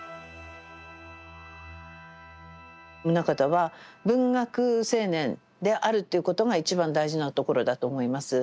棟方は文学青年であるということが一番大事なところだと思います。